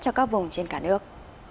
cho các vùng trên cả nước